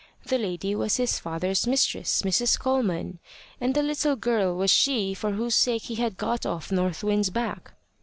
The lady was his father's mistress, Mrs. Coleman, and the little girl was she for whose sake he had got off North Wind's back.